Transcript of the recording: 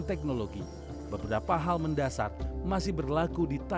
apakah rencananya ada jualannya masih di jual data